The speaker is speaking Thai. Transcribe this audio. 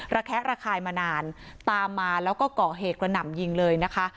ระแคะระคายมานานตามมาแล้วก็ก่อเหตุกระหน่ำยิงเลยนะคะ